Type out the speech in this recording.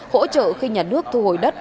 hỗ trợ khi nhà nước thu hồi đất